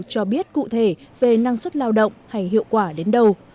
cho biết cụ thể về năng suất lao động hay hiệu quả đến đâu